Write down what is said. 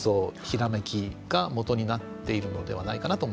ひらめきがもとになっているのではないかなと思います。